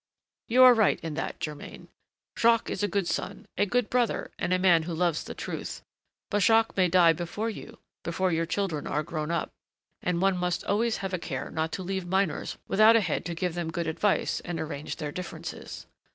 "You are right in that, Germain. Jacques is a good son, a good brother, and a man who loves the truth. But Jacques may die before you, before your children are grown up, and one must always have a care not to leave minors without a head to give them good advice and arrange their differences.